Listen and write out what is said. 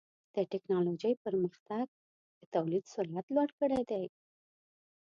د ټکنالوجۍ پرمختګ د تولید سرعت لوړ کړی دی.